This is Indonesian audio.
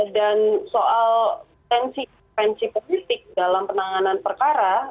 dan soal intensif intensif politik dalam penanganan perkara